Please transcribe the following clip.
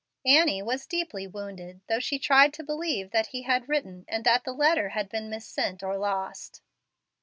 Annie was deeply wounded, though she tried to believe that he had written and that the letter had been missent or lost.